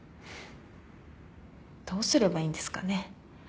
どうすればいいんですかね？